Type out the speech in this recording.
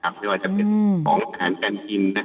ไม่ว่าจะเป็นของกินไหน